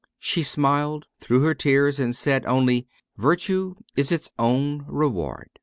She smiled through her tears, and said only, * Virtue is its own reward.'